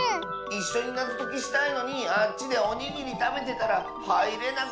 いっしょになぞときしたいのにあっちでおにぎりたべてたらはいれなくなっちゃったよ。